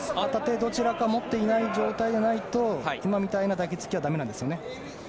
どちらかが持っていない状態じゃないと今みたいな抱きつきは駄目なんですよね。